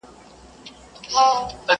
یوه ورځ به زه هم تنګ یمه له پلاره!